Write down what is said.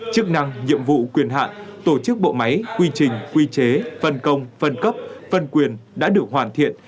chức năng nhiệm vụ quyền hạn tổ chức bộ máy quy trình quy chế phân công phân cấp phân quyền đã được hoàn thiện